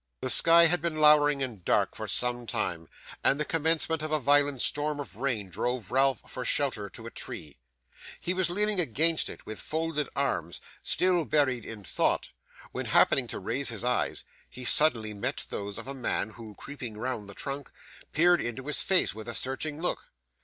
The sky had been lowering and dark for some time, and the commencement of a violent storm of rain drove Ralph for shelter to a tree. He was leaning against it with folded arms, still buried in thought, when, happening to raise his eyes, he suddenly met those of a man who, creeping round the trunk, peered into his face with a searching look.